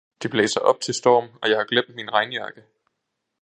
Det blæser op til storm, og jeg har glemt min regnjakke